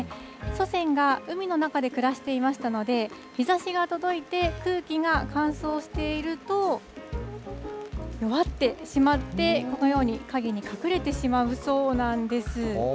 祖先が海の中で暮らしていましたので、日ざしが届いて、空気が乾燥していると、弱ってしまって、このように陰に隠れてしまうそうなんです。